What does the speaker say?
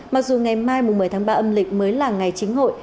mặc dù ngày mai một mươi tháng ba âm lịch mới là ngày chính hội